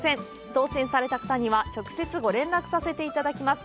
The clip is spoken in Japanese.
当せんされた方には直接、ご連絡させていただきます。